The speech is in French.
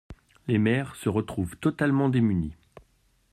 Les maires se retrouvent totalement démunis.